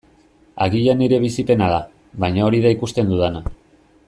Agian nire bizipena da, baina hori da ikusten dudana.